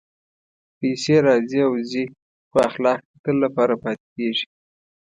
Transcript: پېسې راځي او ځي، خو اخلاق د تل لپاره پاتې کېږي.